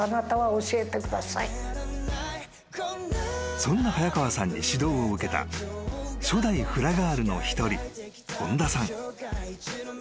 ［そんな早川さんに指導を受けた初代フラガールの一人本田さん］